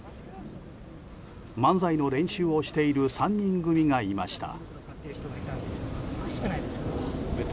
漫才の練習をしている３人組がいました。